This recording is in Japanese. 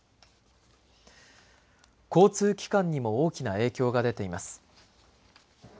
交通機関にも大きな影響が出ています。